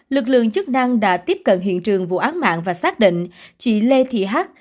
lực lượng chức năng đã tiếp cận hiện trường vụ án mạng và xác định chị lê thị hát